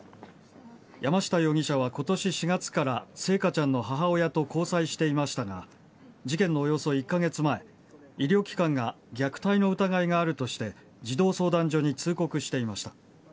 山下容疑者は今年４月から星華ちゃんの母親と交際していましたが事件のおよそ１カ月前医療機関が虐待の疑いがあるとして児童相談所に通告していました。